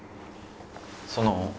その。